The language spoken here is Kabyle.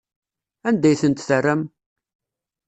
Anda ay tent-terram?